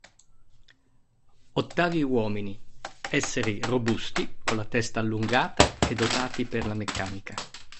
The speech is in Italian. Ottavi Uomini: esseri robusti, con la testa allungata e dotati per la meccanica.